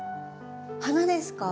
花ですか？